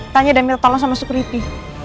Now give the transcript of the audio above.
tanya dan minta tolong sama security